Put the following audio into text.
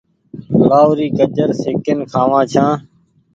لآهوري گآجر سيڪين کآوآن ڇآن ۔